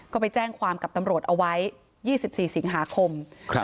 ก็ไปแจ้งความกับตำรวจเอาไว้๒๔สิงหาคม